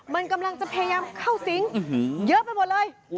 มันกำลังจะพยายามเข้าสิงเยอะไปหมดเลย